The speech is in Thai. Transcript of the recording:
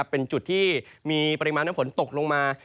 เป็นจุดที่มีปริมาณน้ำฝนตกลงมา